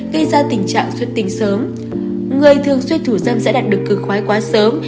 gây ra tình trạng xuất tình sớm